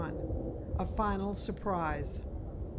A FINAL SURPRISE.